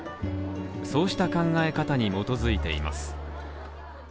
そうした考え方に基づいています。